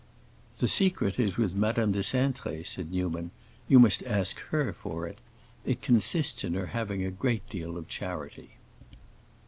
"The secret is with Madame de Cintré," said Newman. "You must ask her for it. It consists in her having a great deal of charity."